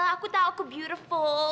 aku tahu aku beautiful